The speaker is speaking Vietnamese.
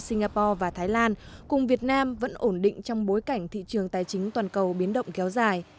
singapore và thái lan cùng việt nam vẫn ổn định trong bối cảnh thị trường tài chính toàn cầu biến động kéo dài